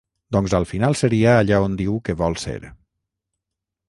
Doncs al final seria allà on diu que vol ser.